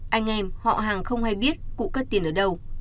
anh em họ hàng không hay biết cụ cắt tiền ở đâu